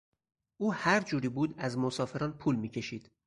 او هر جوری بود از مسافران پول میکشید.